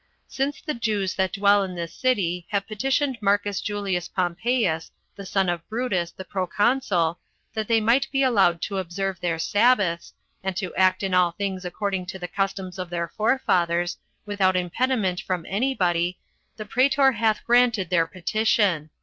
Since the Jews that dwell in this city have petitioned Marcus Julius Pompeius, the son of Brutus, the proconsul, that they might be allowed to observe their Sabbaths, and to act in all things according to the customs of their forefathers, without impediment from any body, the praetor hath granted their petition.